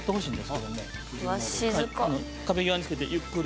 水田：壁際につけて、ゆっくり。